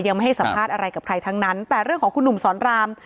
ยังไม่ให้สัมภาษณ์อะไรกับใครทั้งนั้นแต่เรื่องของคุณหนุ่มสอนราม